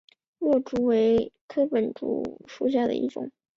箬竹为禾本科箬竹属下的一个种。